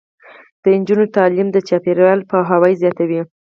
د نجونو تعلیم د چاپیریال پوهاوي زیاتوي.